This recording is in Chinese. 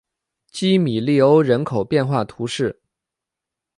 基米利欧人口变化图示